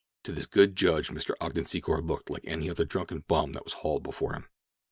To this good judge Mr. Ogden Secor looked like any other drunken bum that was hailed before him.